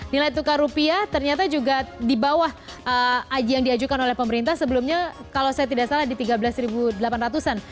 nilai tukar rupiah ternyata juga di bawah yang diajukan oleh pemerintah sebelumnya kalau saya tidak salah di tiga belas delapan ratus an